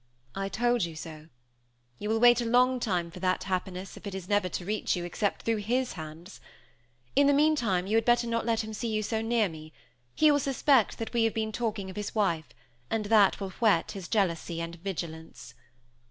"I told you so. You will wait a long time for that happiness, if it is never to reach you except through his hands. In the meantime, you had better not let him see you so near me. He will suspect that we have been talking of his wife; and that will whet his jealousy and his vigilance."